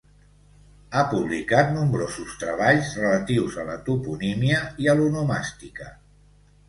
Ha publicat nombrosos treballs relatius a la toponímia i a l'onomàstica.